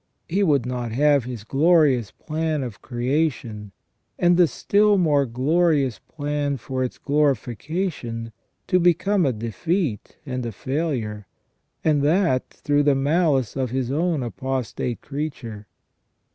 He would not have His glorious plan of creation, and the still more glorious plan for its glorification, to become a defeat and a failure, and that through the malice of His own apostate creature.